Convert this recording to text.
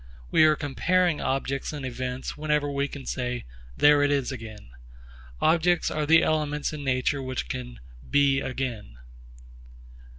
We are comparing objects in events whenever we can say, 'There it is again.' Objects are the elements in nature which can 'be again.'